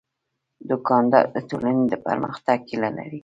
دوکاندار د ټولنې د پرمختګ هیله لري.